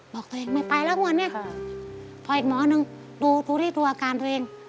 บอกตัวเองไม่ไปแล้ววันนี้พออีกหมอนึงดูที่ตัวอาการตัวเอง